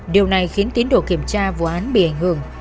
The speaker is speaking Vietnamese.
điều này khiến tín đồ kiểm tra vụ án bị ảnh hưởng